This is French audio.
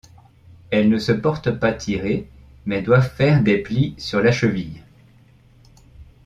Elles ne se portent pas tirées, mais doivent faire des plis sur la cheville.